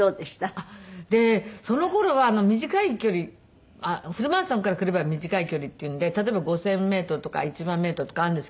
でその頃は短い距離フルマラソンから比べれば短い距離っていうんで例えば５０００メートルとか１万メートルとかあるんですけど。